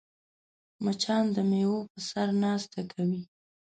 مچان د میوو په سر ناسته کوي